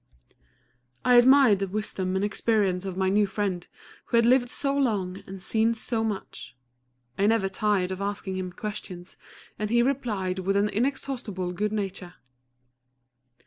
I admired the wisdom and experience of my new friend, who had lived so long and seen so much. I never tired of asking him questions, and he replied with an inexhaustible good nature.